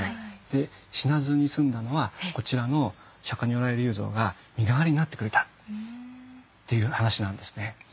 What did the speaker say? で死なずに済んだのはこちらの釈如来立像が身代わりになってくれたっていう話なんですね。